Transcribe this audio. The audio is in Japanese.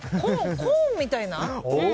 コーンみたいな？